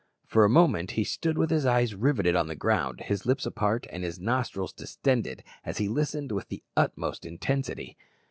For a moment he stood with his eyes rivetted on the ground, his lips apart, and his nostrils distended, as he listened with the utmost intensity.